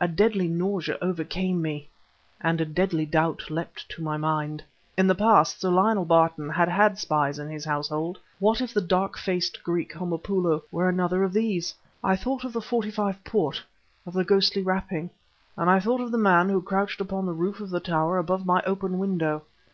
A deadly nausea overcame me ... and a deadly doubt leapt to my mind. In the past, Sir Lionel Barton had had spies in his household; what if the dark faced Greek, Homopoulo, were another of these? I thought of the '45 port, of the ghostly rapping; and I thought of the man who crouched upon the roof of the tower above my open window.